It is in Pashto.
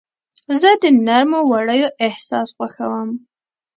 زه د نرمو وړیو احساس خوښوم.